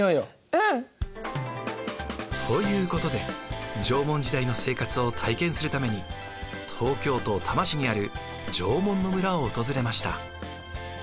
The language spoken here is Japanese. うん。ということで縄文時代の生活を体験するために東京都多摩市にある縄文の村を訪れました。